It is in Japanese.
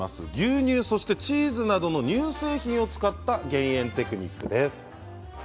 牛乳、チーズなど乳製品を使った減塩テクニックです。